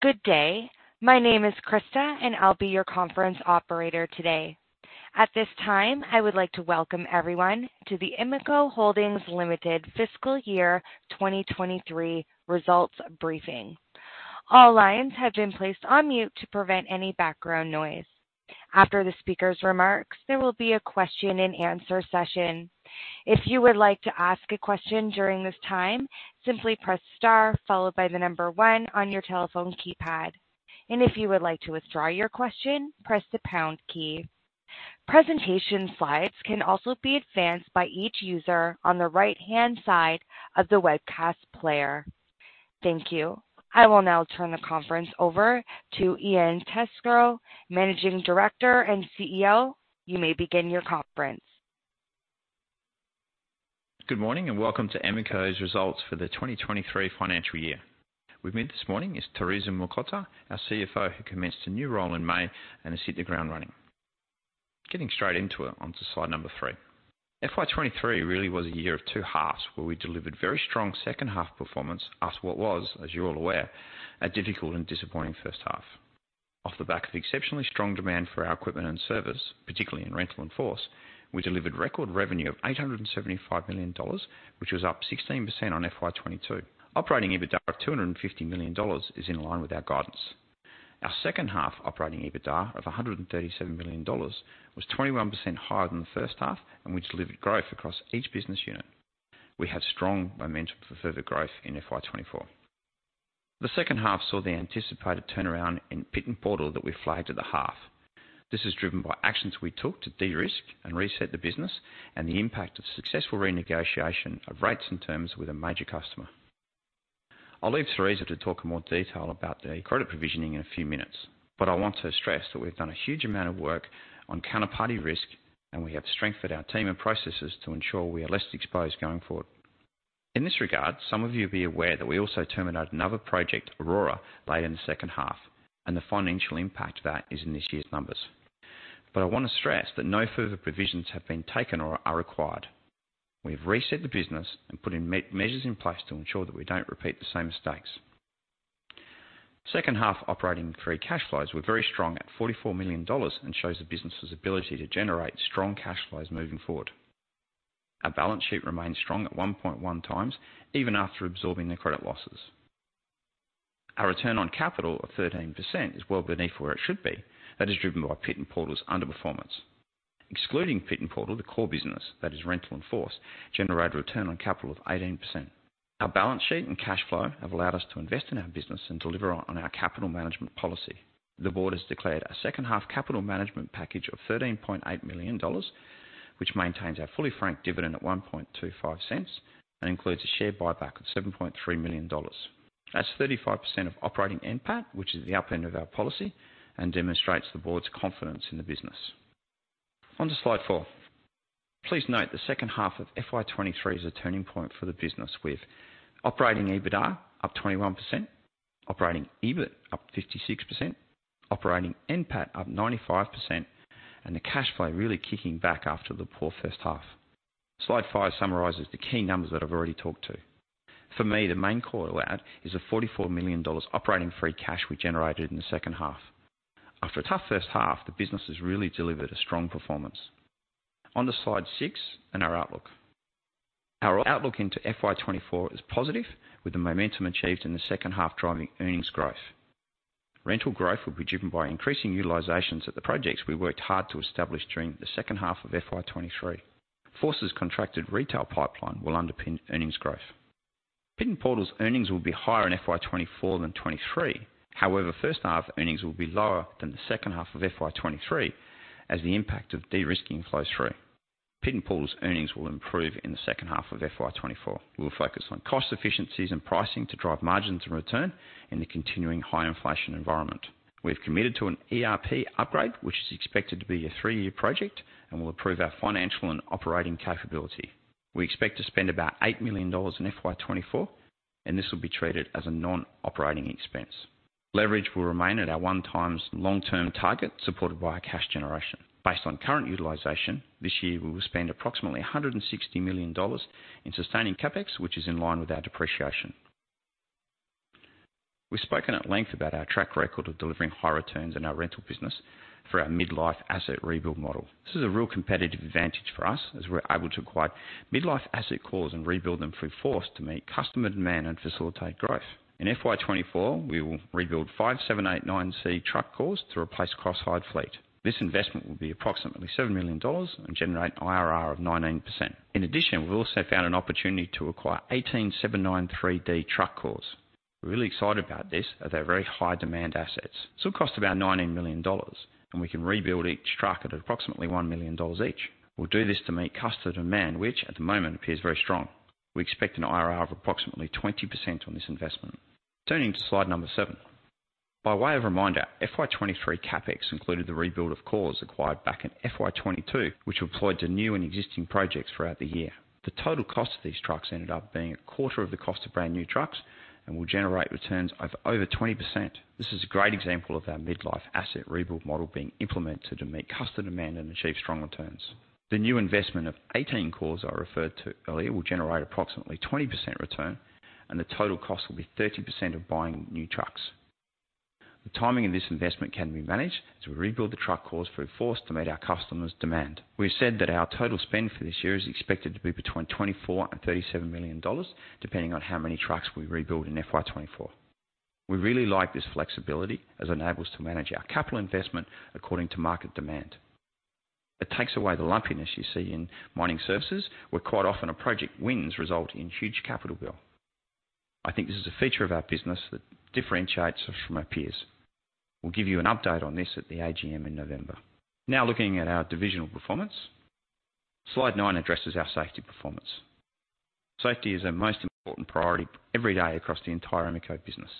Good day. My name is Krista, and I'll be your conference operator today. At this time, I would like to welcome everyone to the Emeco Holdings Limited Fiscal Year 2023 Results Briefing. All lines have been placed on mute to prevent any background noise. After the speaker's remarks, there will be a question and answer session. If you would like to ask a question during this time, simply press star followed by the number one on your telephone keypad, and if you would like to withdraw your question, press the pound key. Presentation slides can also be advanced by each user on the right-hand side of the webcast player. Thank you. I will now turn the conference over to Ian Testrow, Managing Director, and CEO. You may begin your conference. Good morning, welcome to Emeco's results for the 2023 financial year. With me this morning is Theresa Mlikota, our CFO, who commenced a new role in May and has hit the ground running. Getting straight into it, onto slide number three. FY 2023 really was a year of two halves, where we delivered very strong second-half performance after what was, as you're all aware, a difficult and disappointing H1. Off the back of the exceptionally strong demand for our equipment and service, particularly in rental and Force, we delivered record revenue of 875 million dollars, which was up 16% on FY 2022. Operating EBITDA of 250 million dollars is in line with our guidance. Our second-half operating EBITDA of 137 million dollars was 21% higher than the H1, and we delivered growth across each business unit. We have strong momentum for further growth in FY 2024. The H2 saw the anticipated turnaround in Pit N Portal that we flagged at the half. This is driven by actions we took to de-risk and reset the business and the impact of successful renegotiation of rates and terms with a major customer. I'll leave Theresa to talk in more detail about the credit provisioning in a few minutes, but I want to stress that we've done a huge amount of work on counterparty risk, and we have strengthened our team and processes to ensure we are less exposed going forward. In this regard, some of you'll be aware that we also terminated another project, Aurora, late in the H2, and the financial impact of that is in this year's numbers. I want to stress that no further provisions have been taken or are required. We have reset the business and put measures in place to ensure that we don't repeat the same mistakes. Second-half operating free cash flows were very strong at 44 million dollars and shows the business's ability to generate strong cash flows moving forward. Our balance sheet remains strong at 1.1 times even after absorbing the credit losses. Our return on capital of 13% is well beneath where it should be. That is driven by Pit N Portal's underperformance. Excluding Pit N Portal, the core business, that is rental and Force, generated a return on capital of 18%. Our balance sheet and cash flow have allowed us to invest in our business and deliver on, on our capital management policy. The board has declared a H2 capital management package of 13.8 million dollars, which maintains our fully franked dividend at 0.0125 and includes a share buyback of 7.3 million dollars. That's 35% of Operating NPAT, which is the upper end of our policy and demonstrates the board's confidence in the business. On to slide four. Please note the H2 of FY 2023 is a turning point for the business, with Operating EBITDA up 21%, Operating EBIT up 56%, Operating NPAT up 95%, and the cash flow really kicking back after the poor H1. Slide five summarizes the key numbers that I've already talked to. For me, the main call out is the 44 million dollars operating free cash we generated in the H2. After a tough H1, the business has really delivered a strong performance. On to slide six and our outlook. Our outlook into FY 2024 is positive, with the momentum achieved in the H2 driving earnings growth. Rental growth will be driven by increasing utilizations at the projects we worked hard to establish during the H2 of FY 2023. Force's contracted retail pipeline will underpin earnings growth. Pit N Portal's earnings will be higher in FY 2024 than 2023. However, H1 earnings will be lower than the H2 of FY 2023, as the impact of de-risking flows through. Pit N Portal's earnings will improve in the H2 of FY 2024. We will focus on cost efficiencies and pricing to drive margins and return in the continuing high inflation environment. We've committed to an ERP upgrade, which is expected to be a three-year project and will improve our financial and operating capability. We expect to spend about 8 million dollars in FY 2024. This will be treated as a non-operating expense. Leverage will remain at our 1x long-term target, supported by our cash generation. Based on current utilization, this year, we will spend approximately 160 million dollars in sustaining CapEx, which is in line with our depreciation. We've spoken at length about our track record of delivering high returns in our rental business through our mid-life asset rebuild model. This is a real competitive advantage for us as we're able to acquire mid-life asset cores and rebuild them through Force to meet customer demand and facilitate growth. In FY 2024, we will rebuild 5 789C truck cores to replace cross-hired fleet. This investment will be approximately 7 million dollars and generate an IRR of 19%. In addition, we've also found an opportunity to acquire 18 793D truck cores. We're really excited about this as they're very high-demand assets. This will cost about 19 million dollars, and we can rebuild each truck at approximately 1 million dollars each. We'll do this to meet customer demand, which, at the moment, appears very strong. We expect an IRR of approximately 20% on this investment. Turning to slide number seven. By way of reminder, FY 2023 CapEx included the rebuild of cores acquired back in FY 2022, which were deployed to new and existing projects throughout the year. The total cost of these trucks ended up being 25% of the cost of brand-new trucks and will generate returns of over 20%. This is a great example of our mid-life asset rebuild model being implemented to meet customer demand and achieve strong returns. The new investment of 18 cores I referred to earlier will generate approximately 20% return, and the total cost will be 30% of buying new trucks. The timing of this investment can be managed as we rebuild the truck cores through Force to meet our customers' demand. We've said that our total spend for this year is expected to be between 24 and $37 million, depending on how many trucks we rebuild in FY 2024. We really like this flexibility, as it enables to manage our capital investment according to market demand. It takes away the lumpiness you see in mining services, where quite often a project wins result in huge capital bill. I think this is a feature of our business that differentiates us from our peers. We'll give you an update on this at the AGM in November. Now, looking at our divisional performance. Slide 9 addresses our safety performance. Safety is our most important priority every day across the entire Emeco business.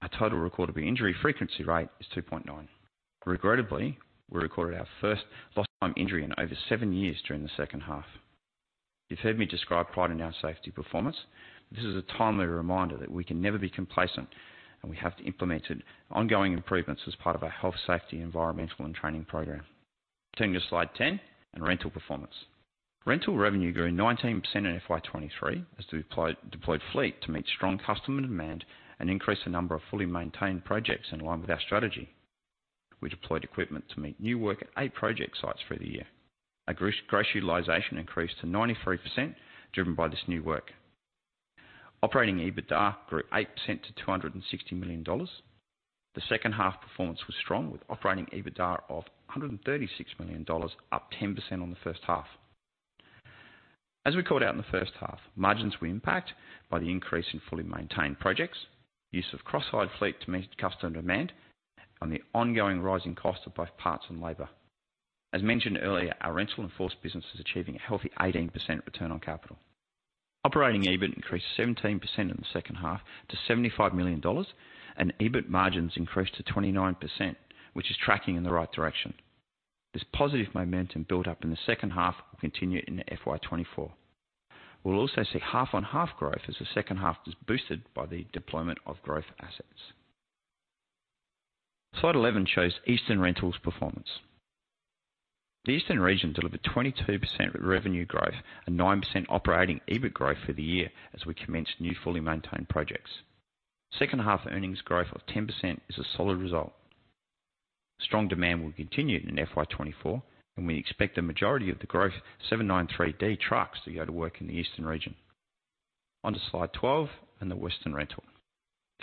Our total recordable injury frequency rate is 2.9. Regrettably, we recorded our first lost time injury in over seven years during the H2. You've heard me describe pride in our safety performance. This is a timely reminder that we can never be complacent, we have to implement ongoing improvements as part of our health, safety, environmental and training program. Turning to slide 10, rental performance. Rental revenue grew 19% in FY 2023 as we deployed fleet to meet strong customer demand and increase the number of fully maintained projects in line with our strategy. We deployed equipment to meet new work at eight project sites through the year. Our gross utilization increased to 93%, driven by this new work. Operating EBITDA grew 8% to 260 million dollars. The H2 performance was strong, with Operating EBITDA of 136 million dollars, up 10% on the H1. As we called out in the H1, margins were impacted by the increase in fully maintained projects, use of cross-hire fleet to meet customer demand, and the ongoing rising cost of both parts and labor. As mentioned earlier, our rental and Force business is achieving a healthy 18% return on capital. Operating EBIT increased 17% in the H2 to 75 million dollars, and EBIT margins increased to 29%, which is tracking in the right direction. This positive momentum built up in the H2 will continue into FY 2024. We'll also see half-on-half growth, as the H2 is boosted by the deployment of growth assets. Slide 11 shows Eastern Rentals performance. The Eastern region delivered 22% revenue growth and 9% operating EBIT growth for the year as we commenced new fully maintained projects. H2 earnings growth of 10% is a solid result. Strong demand will continue in FY 2024, we expect the majority of the growth, 793D trucks, to go to work in the Eastern region. Onto slide 12 and the Western Rental.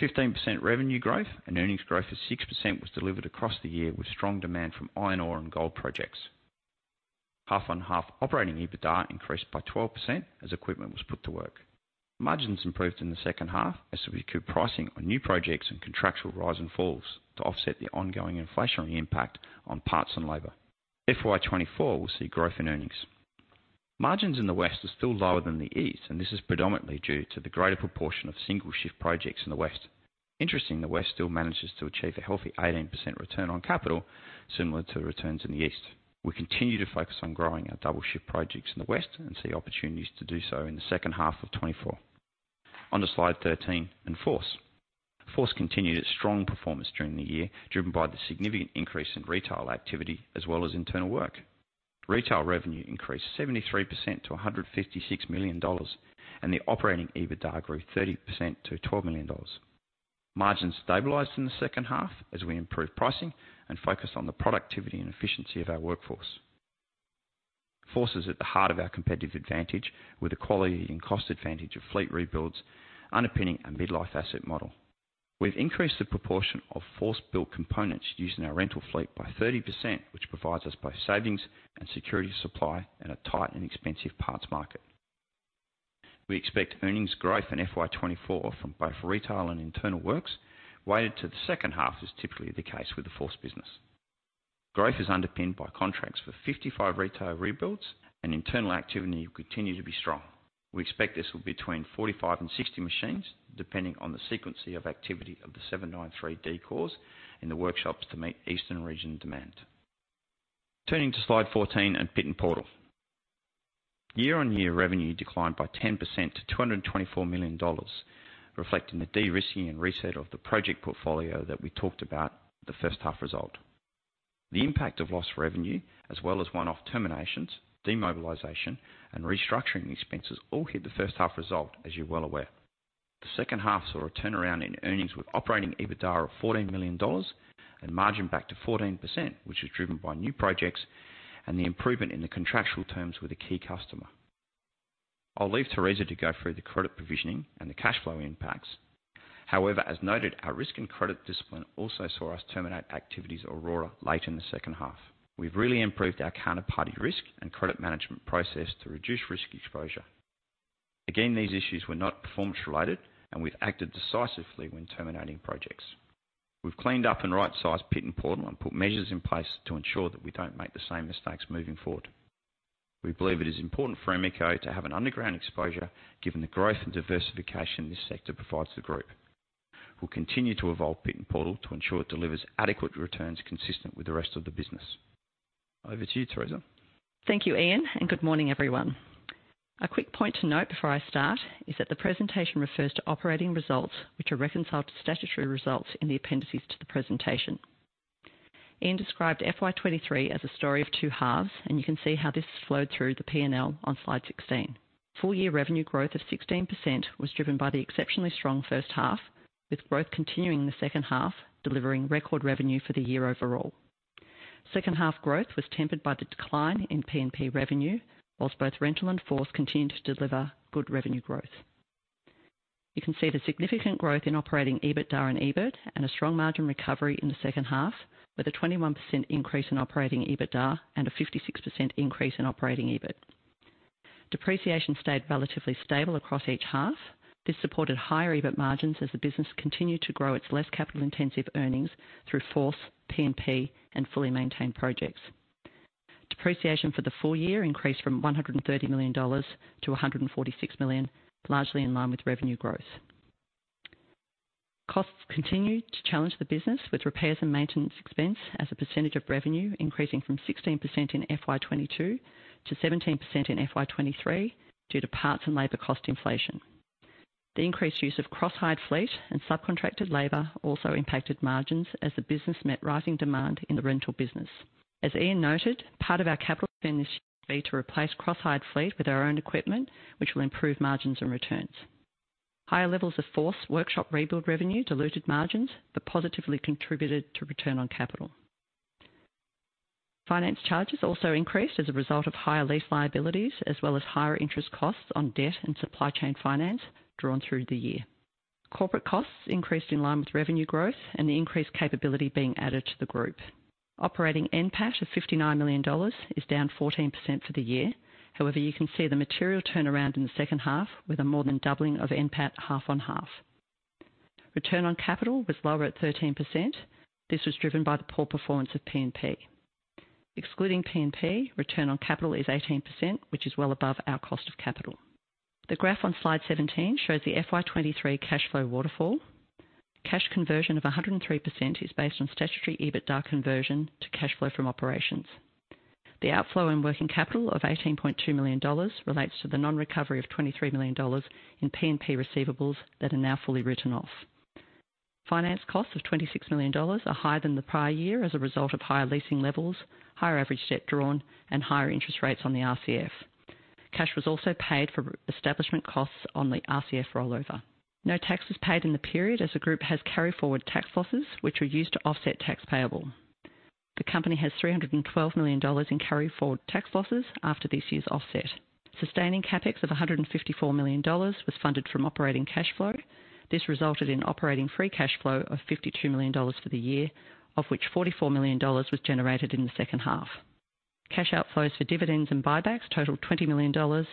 15% revenue growth and earnings growth of 6% was delivered across the year, with strong demand from iron ore and gold projects. Half-on-half Operating EBITDA increased by 12% as equipment was put to work. Margins improved in the H2 as we recouped pricing on new projects and contractual rise and falls to offset the ongoing inflationary impact on parts and labor. FY 2024 will see growth in earnings. Margins in the West are still lower than the East, and this is predominantly due to the greater proportion of single shift projects in the West. Interestingly, the West still manages to achieve a healthy 18% return on capital, similar to the returns in the East. We continue to focus on growing our double shift projects in the West and see opportunities to do so in the H2 of 2024. Onto slide 13, Force. Force continued its strong performance during the year, driven by the significant increase in retail activity as well as internal work. Retail revenue increased 73% to 156 million dollars, the operating EBITDA grew 30% to 12 million dollars. Margins stabilized in the H2 as we improved pricing and focused on the productivity and efficiency of our workforce. Force is at the heart of our competitive advantage, with the quality and cost advantage of fleet rebuilds underpinning a mid-life asset model. We've increased the proportion of Force-built components used in our rental fleet by 30%, which provides us both savings and security of supply in a tight and expensive parts market. We expect earnings growth in FY 2024 from both retail and internal works, weighted to the H2, as is typically the case with the Force business. Growth is underpinned by contracts for 55 retail rebuilds, internal activity will continue to be strong. We expect this will be between 45 and 60 machines, depending on the sequence of activity of the 793D cores in the workshops to meet Eastern region demand. Turning to Slide 14 and Pit N Portal. Year-on-year revenue declined by 10% to $224 million, reflecting the de-risking and reset of the project portfolio that we talked about the H1 result. The impact of lost revenue, as well as one-off terminations, demobilization, and restructuring expenses, all hit the H1 result, as you're well aware. The H2 saw a turnaround in earnings, with operating EBITDA of 14 million dollars and margin back to 14%, which is driven by new projects and the improvement in the contractual terms with a key customer. I'll leave Theresa to go through the credit provisioning and the cash flow impacts. However, as noted, our risk and credit discipline also saw us terminate activities at Aurora late in the H2. We've really improved our counterparty risk and credit management process to reduce risk exposure. Again, these issues were not performance-related, and we've acted decisively when terminating projects. We've cleaned up and right-sized Pit N Portal and put measures in place to ensure that we don't make the same mistakes moving forward. We believe it is important for Emeco to have an underground exposure, given the growth and diversification this sector provides the group. We'll continue to evolve Pit N Portal to ensure it delivers adequate returns consistent with the rest of the business. Over to you, Theresa. Thank you, Ian, and good morning, everyone. A quick point to note before I start, is that the presentation refers to operating results, which are reconciled to statutory results in the appendices to the presentation. Ian described FY23 as a story of two halves, and you can see how this has flowed through the P&L on slide 16. Full year revenue growth of 16% was driven by the exceptionally strong H1, with growth continuing in the H2, delivering record revenue for the year overall. H2 growth was tempered by the decline in PnP revenue, whilst both rental and FORCE continued to deliver good revenue growth. You can see the significant growth in operating EBITDA and EBIT and a strong margin recovery in the H2, with a 21% increase in operating EBITDA and a 56% increase in operating EBIT. Depreciation stayed relatively stable across each half. This supported higher EBIT margins as the business continued to grow its less capital-intensive earnings through FORCE, PnP, and fully maintained projects. Depreciation for the full year increased from 130 million dollars to 146 million, largely in line with revenue growth. Costs continued to challenge the business with repairs and maintenance expense, as a percentage of revenue increasing from 16% in FY22 to 17% in FY23, due to parts and labor cost inflation. The increased use of cross-hired fleet and subcontracted labor also impacted margins as the business met rising demand in the rental business. As Ian noted, part of our capital spend this year is to replace cross-hired fleet with our own equipment, which will improve margins and returns. Higher levels of Force Equipment workshop rebuild revenue diluted margins, positively contributed to return on capital. Finance charges also increased as a result of higher lease liabilities, as well as higher interest costs on debt and supply chain finance drawn through the year. Corporate costs increased in line with revenue growth and the increased capability being added to the group. Operating NPAT of 59 million dollars is down 14% for the year. However, you can see the material turnaround in the H2 with a more than doubling of NPAT half on half. Return on capital was lower at 13%. This was driven by the poor performance of PnP. Excluding PnP, return on capital is 18%, which is well above our cost of capital. The graph on slide 17 shows the FY23 cash flow waterfall. Cash conversion of 103% is based on statutory EBITDA conversion to cash flow from operations. The outflow and working capital of 18.2 million dollars relates to the non-recovery of 23 million dollars in PnP receivables that are now fully written off. Finance costs of 26 million dollars are higher than the prior year as a result of higher leasing levels, higher average debt drawn, and higher interest rates on the RCF. Cash was also paid for establishment costs on the RCF rollover. No tax was paid in the period as the group has carryforward tax losses, which were used to offset tax payable. The company has 312 million dollars in carry forward tax losses after this year's offset. Sustaining CapEx of 154 million dollars was funded from operating cash flow. This resulted in operating free cash flow of 52 million dollars for the year, of which 44 million dollars was generated in the H2. Cash outflows for dividends and buybacks totaled 20 million dollars.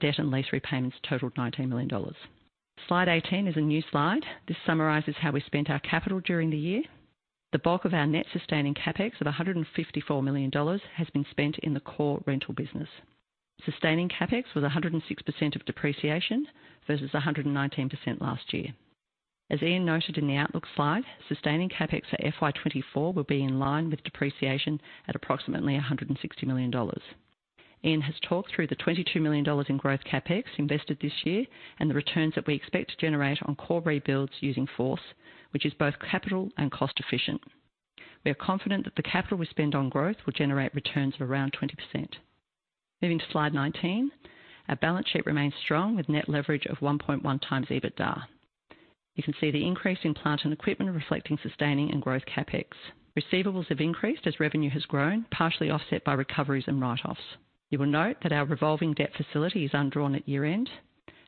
Debt and lease repayments totaled 19 million dollars. Slide 18 is a new slide. This summarizes how we spent our capital during the year. The bulk of our net sustaining CapEx of 154 million dollars has been spent in the core rental business. Sustaining CapEx was 106% of depreciation versus 119% last year. As Ian noted in the outlook slide, sustaining CapEx for FY24 will be in line with depreciation at approximately 160 million dollars. Ian has talked through the 22 million dollars in growth CapEx invested this year, and the returns that we expect to generate on core rebuilds using FORCE, which is both capital and cost efficient. We are confident that the capital we spend on growth will generate returns of around 20%. Moving to slide 19. Our balance sheet remains strong, with net leverage of 1.1 times EBITDA. You can see the increase in plant and equipment reflecting sustaining and growth CapEx. Receivables have increased as revenue has grown, partially offset by recoveries and write-offs. You will note that our revolving debt facility is undrawn at year-end.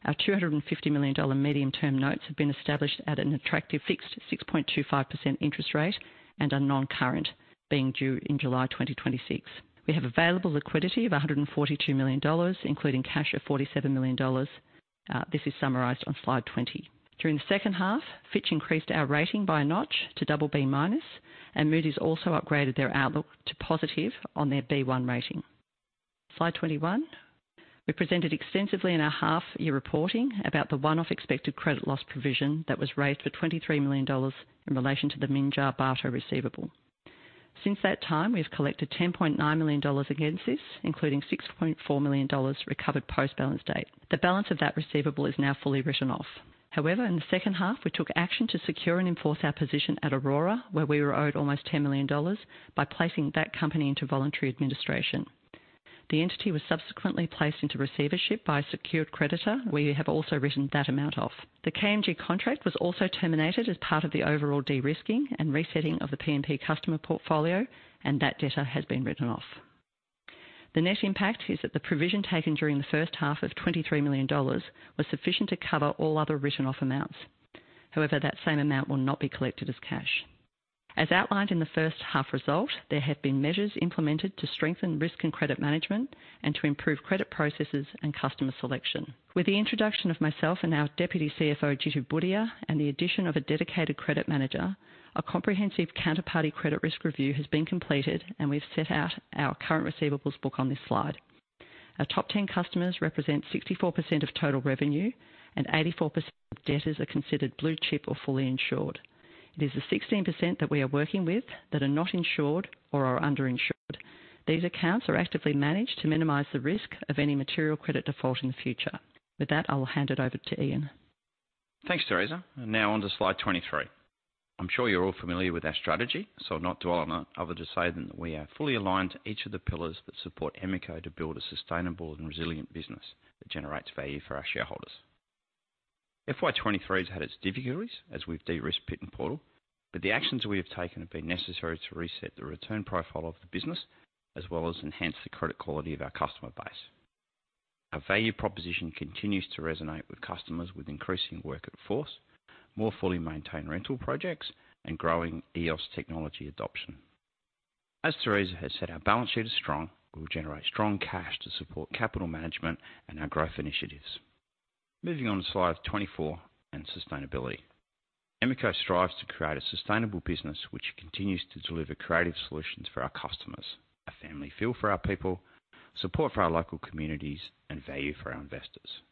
Our 250 million dollar medium-term notes have been established at an attractive fixed 6.25% interest rate and are non-current, being due in July 2026. We have available liquidity of 142 million dollars, including cash of 47 million dollars. This is summarized on slide 20. During the H2, Fitch increased our rating by a notch to BB-, and Moody's also upgraded their outlook to positive on their B1 rating. Slide 21. We presented extensively in our half-year reporting about the one-off expected credit loss provision that was raised for 23 million dollars in relation to the Minjar Barto receivable. Since that time, we have collected 10.9 million dollars against this, including 6.4 million dollars recovered post-balance date. The balance of that receivable is now fully written off. However, in the H2, we took action to secure and enforce our position at Aurora, where we were owed almost 10 million dollars, by placing that company into voluntary administration. The entity was subsequently placed into receivership by a secured creditor, where we have also written that amount off. The KMP contract was also terminated as part of the overall de-risking and resetting of the PnP customer Portfolio, and that debtor has been written off. The net impact is that the provision taken during the H1 of 23 million dollars was sufficient to cover all other written-off amounts. However, that same amount will not be collected as cash. As outlined in the H1 result, there have been measures implemented to strengthen risk and credit management and to improve credit processes and customer selection. With the introduction of myself and our Deputy CFO, Jeetendra Bhudia, and the addition of a dedicated credit manager, a comprehensive counterparty credit risk review has been completed, and we've set out our current receivables book on this slide. Our top 10 customers represent 64% of total revenue, and 84% of debtors are considered blue chip or fully insured. It is the 16% that we are working with that are not insured or are underinsured. These accounts are actively managed to minimize the risk of any material credit default in the future. With that, I will hand it over to Ian. Thanks, Teresa. Now on to slide 23. I'm sure you're all familiar with our strategy, so I'll not dwell on it, other to say than that we are fully aligned to each of the pillars that support Emeco to build a sustainable and resilient business that generates value for our shareholders. FY 2023 has had its difficulties as we've de-risked Pit N Portal, the actions we have taken have been necessary to reset the return profile of the business, as well as enhance the credit quality of our customer base. Our value proposition continues to resonate with customers with increasing work at force, more fully maintained rental projects, and growing EOS technology adoption. As Teresa has said, our balance sheet is strong. We'll generate strong cash to support capital management and our growth initiatives. Moving on to slide 24 and sustainability. Emeco strives to create a sustainable business, which continues to deliver creative solutions for our customers, a family feel for our people, support for our local communities, and value for our investors.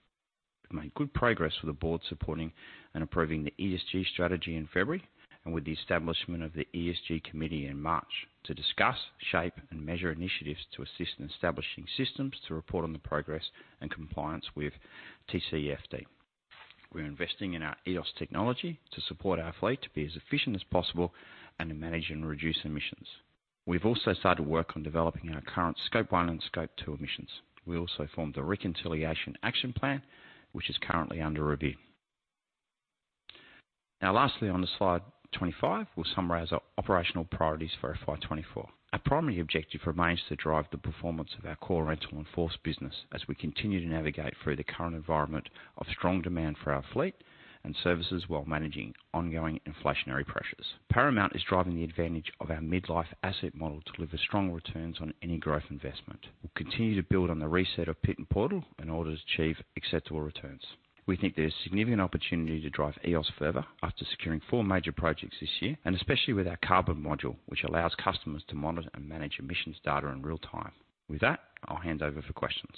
We've made good progress with the board supporting and approving the ESG strategy in February, and with the establishment of the ESG Committee in March to discuss, shape, and measure initiatives to assist in establishing systems to report on the progress and compliance with TCFD. We're investing in our EOS technology to support our fleet to be as efficient as possible and to manage and reduce emissions. We've also started work on developing our current Scope 1 and Scope 2 emissions. We also formed a Reconciliation Action Plan, which is currently under review. Now, lastly, on the slide 25, we'll summarize our operational priorities for FY 2024. Our primary objective remains to drive the performance of our core rental and Force business as we continue to navigate through the current environment of strong demand for our fleet and services while managing ongoing inflationary pressures. Paramount is driving the advantage of our mid-life asset model to deliver strong returns on any growth investment. We'll continue to build on the reset of Pit N Portal in order to achieve acceptable returns. We think there's significant opportunity to drive EOS further after securing four major projects this year, and especially with our carbon module, which allows customers to monitor and manage emissions data in real time. With that, I'll hand over for questions.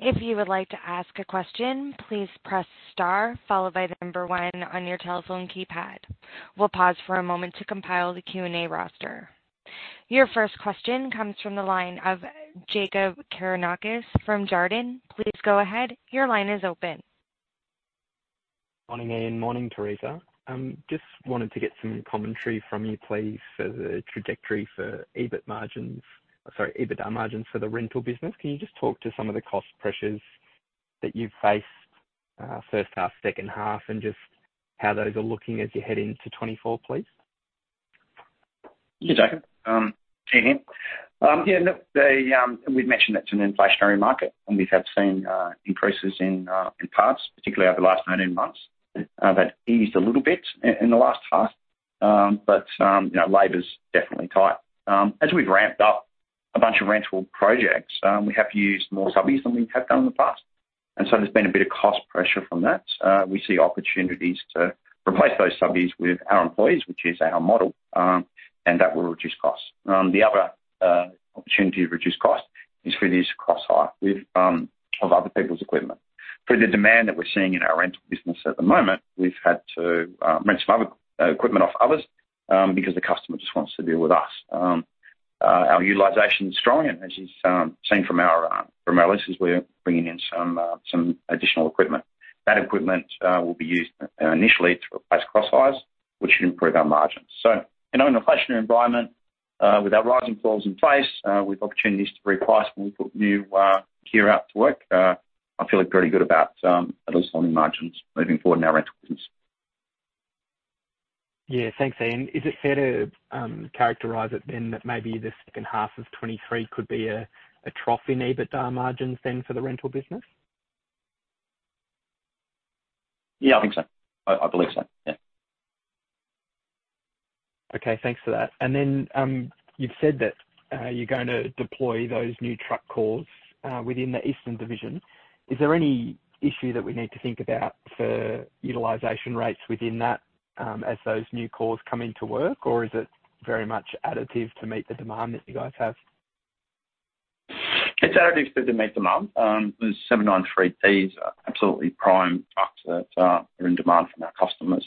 If you would like to ask a question, please press star followed by one on your telephone keypad. We'll pause for a moment to compile the Q&A roster. Your first question comes from the line of Jakob Cakarnis from Jarden. Please go ahead. Your line is open. Morning, Ian. Morning, Theresa. just wanted to get some commentary from you, please, for the trajectory for EBIT margins, sorry, EBITDA margins for the rental business. Can you just talk to some of the cost pressures that you've faced, H1, H2, and just how those are looking as you head into 2024, please? Thank you, Jakob. Ian here. We've mentioned it's an Inflationary market, and we have seen increases in parts, particularly over the last 19 months. That eased a little bit in the last half, but, you know, labor's definitely tight. As we've ramped up a bunch of rental projects, we have to use more subbies than we have done in the past, and so there's been a bit of cost pressure from that. We see opportunities to replace those subbies with our employees, which is our model, and that will reduce costs. The other opportunity to reduce cost is through this cross-hire with of other people's Equipment. For the demand that we're seeing in our rental business at the moment, we've had to rent some other equipment off others, because the customer just wants to deal with us. Our utilization is strong, and as you've seen from our from our leases, we're bringing in some additional equipment. That equipment will be used initially to replace cross-hires, which should improve our margins. You know, in an Inflationary environment, with our rising floors in place, with opportunities to replace when we put new gear out to work, I feel pretty good about at least on the margins moving forward in our Rental Business. Yeah. Thanks, Ian. Is it fair to characterize it then that maybe the H2 of 2023 could be a, a trough in EBITDA margins, then, for the rental business? Yeah, I think so. I, I believe so, yeah. Okay, thanks for that. Then, you've said that you're going to deploy those new truck cores within the Eastern Division. Is there any issue that we need to think about for utilization rates within that as those new Cores come into work, or is it very much additive to meet the demand that you guys have? It's additive to meet demand. The 793Ds are absolutely prime trucks that are in demand from our customers.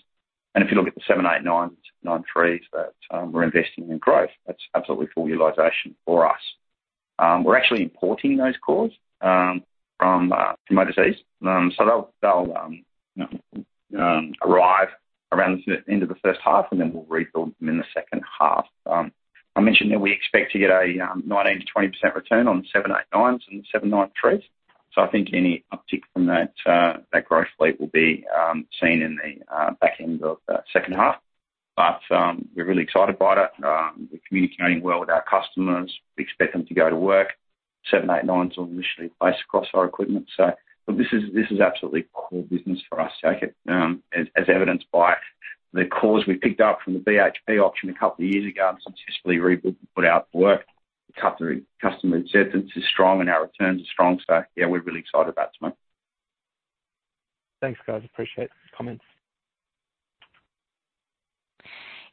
If you look at the 789s, 793s that we're investing in growth, that's absolutely full utilization for us. We're actually importing those cores from overseas. They'll arrive around the end of the H1, and then we'll rebuild them in the H2. I mentioned that we expect to get a 19%-20% return on 789s and 793s. I think any uptick from that that growth fleet will be seen in the back end of the H2. We're really excited about it. We're communicating well with our customers. We expect them to go to work. 789s are initially placed across our equipment. This is absolutely core business for us, Jakob, as evidenced by the cores we picked up from the BHP auction a couple of years ago and successfully rebuilt and put out work. Customer acceptance is strong, and our returns are strong, so yeah, we're really excited about them. Thanks, guys. Appreciate the comments.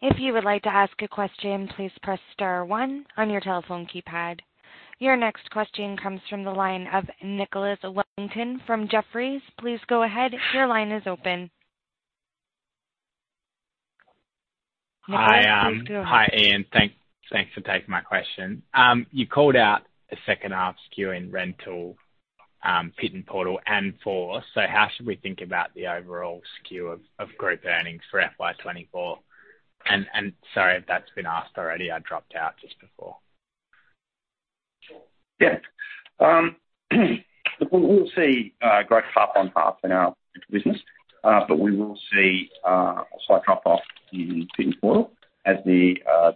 If you would like to ask a question, please press star one on your telephone keypad. Your next question comes from the line of Nicholas Winton from Jefferies. Please go ahead. Your line is open. Nicholas, please go ahead. Hi, hi, Ian. Thanks for taking my question. You called out the H2 skew in Pit N Portal and Force Equipment. How should we think about the overall skew of group earnings for FY 2024? Sorry, if that's been asked already, I dropped out just before. Yeah. Look, we'll see growth half on half in our business, but we will see a slight drop-off in Pit N Portal as the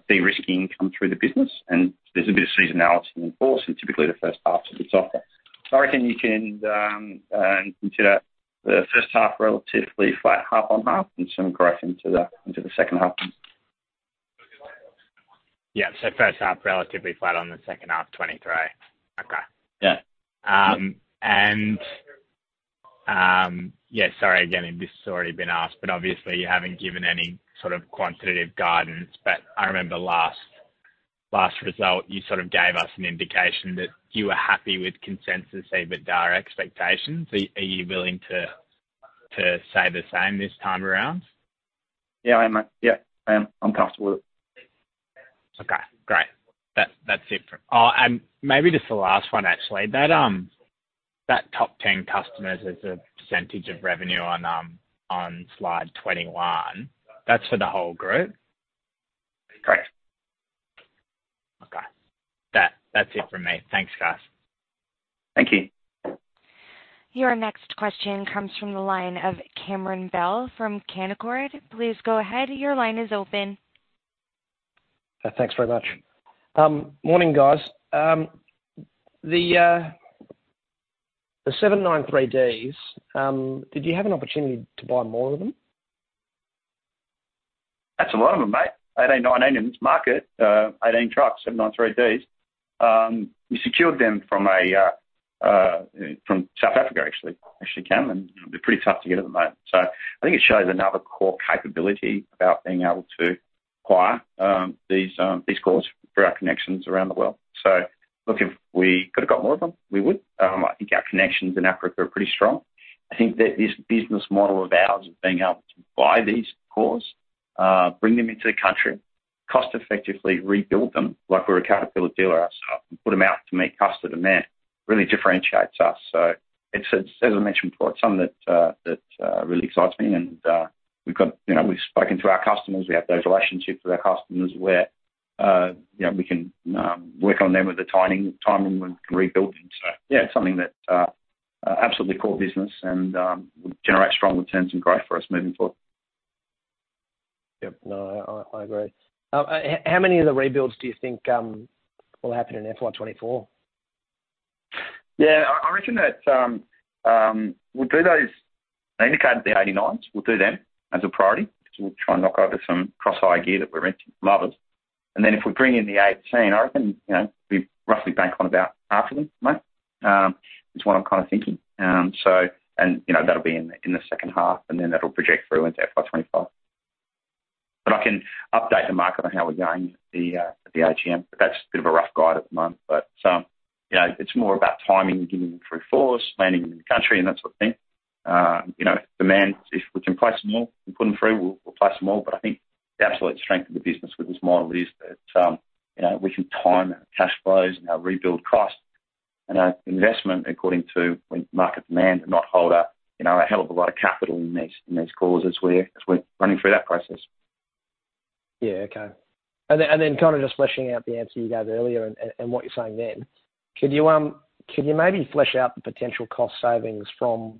de-risking come through the business, and there's a bit of seasonality in force, and typically the H1 of it's softer. I reckon you can consider the H1 relatively flat, half on half, and some correction to the H2. Yeah. H1, relatively flat on the H2, 2023. Okay. Yeah. Yeah, sorry again, if this has already been asked, but obviously you haven't given any sort of Quantitative Quidance. I remember last, last result, you sort of gave us an indication that you were happy with consensus, even direct expectations. Are, are you willing to, to say the same this time around? Yeah, I am. Yeah, I am. I'm comfortable with it. Okay, great. That, that's it for... Oh, maybe just the last one, actually. That, that top 10 customers as a % of Revenue on, on slide 21, that's for the whole group? Correct. Okay. That, that's it from me. Thanks, guys. Thank you. Your next question comes from the line of Cameron Bell from Canaccord. Please go ahead. Your line is open. Thanks very much. Morning, guys. The 793Ds, did you have an opportunity to buy more of them? That's a lot of them, mate. 18, 19 in this market, 18 trucks, 793Ds. You secured them from a, from South Africa, actually. Actually, Cameron, they're pretty tough to get at the moment. I think it shows another core capability about being able to acquire these, these cores through our connections around the world. Look, if we could have got more of them, we would. I think our connections in Africa are pretty strong. I think that this business model of ours, of being able to buy these cores, bring them into the country, cost effectively, rebuild them, like we're a Caterpillar Dealer ourself, and put them out to meet customer demand, really differentiates us. It's as, as I mentioned before, it's something that, that really excites me. We've got... You know, we've spoken to our customers. We have those relationships with our customers, where, you know, we can work on them with the timing, timing, and rebuild them. Yeah, it's something that absolutely Core business and would generate strong returns and growth for us moving forward. Yep. No, I, I, agree. How many of the rebuilds do you think will happen in FY 24? Yeah, I, I reckon that we'll do those, they indicated the 89s. We'll do them as a priority, because we'll try and knock over some cross-hired fleet that we're renting from others. If we bring in the 18, I reckon, you know, we roughly bank on about half of them, mate. Is what I'm kind of thinking. You know, that'll be in, in the H2, and then that'll project through into FY 2025. I can update the market on how we're going at the AGM. That's a bit of a rough guide at the moment. You know, it's more about timing, getting them through Force Equipment, landing them in the country, and that sort of thing. You know, demand, if we can place them all and put them through, we'll, we'll place them all. I think the absolute strength of the business with this model is that, you know, we can time our cash flows and our rebuild costs and our investment according to when market demand and not hold up, you know, a hell of a lot of capital in these cores as we're running through that process. Yeah. Okay. Then kind of just fleshing out the answer you gave earlier and what you're saying then, could you maybe flesh out the Potential Cost Savings from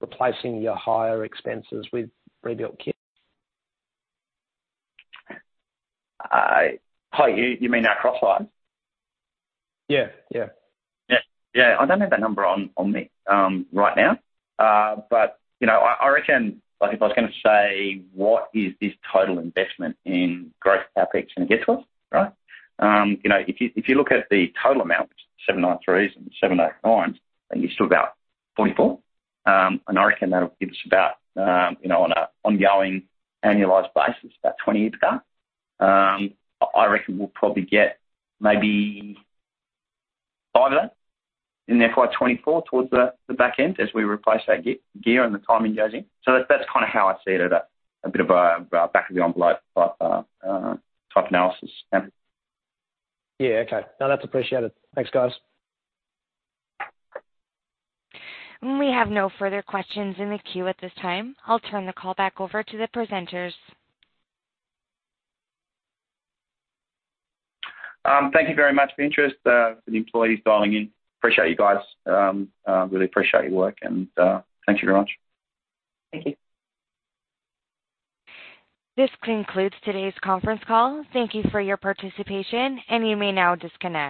replacing your hire expenses with rebuilt kit? Hi, you, you mean our cross-hire? Yeah. Yeah. Yeah. Yeah. I don't have that number on, on me right now. You know, I, I reckon, like, if I was gonna say, what is this total Investment in Growth CapEx going to get to us? Right? You know, if you, if you look at the total amount, 793s and 789s, it's still about 44, I reckon that'll give us about, you know, on a ongoing annualized basis, about 20 a car. I, I reckon we'll probably get maybe five of them in FY 2024 towards the back end as we replace that gear and the timing goes in. That's kinda how I see it, at a bit of a back of the Envelope Type Analysis. Yeah. Okay. No, that's appreciated. Thanks, guys. We have no further questions in the queue at this time. I'll turn the call back over to the presenters. Thank you very much for the interest, for the employees dialing in. Appreciate you guys. Really appreciate your work, and thank you very much. Thank you. This concludes today's conference call. Thank you for your participation, and you may now disconnect.